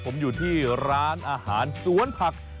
ผมอยู่ที่ร้านอาหารสวนผัก